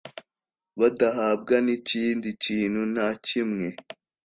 badahabwa n’ikindi kintu na kimwe